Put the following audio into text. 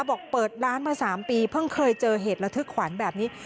บอกเปิดร้านมา๓ปีเพิ่งเคยเจอเหตุระทึกขวัญแบบนี้